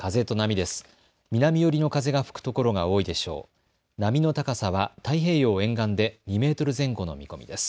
風と波です。